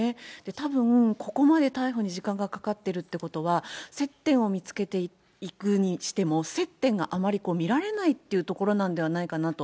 たぶん、ここまで逮捕に時間がかかってるってことは、接点を見つけていくにしても、接点があまり見られないっていうところなんではないかなと。